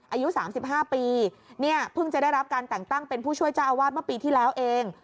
อายุ๓๕ปีเนี่ยเพิ่งจะได้รับการแต่งตั้งเป็นผู้ช่วยเจ้าอาวาสเมื่อปีที่แล้วเอง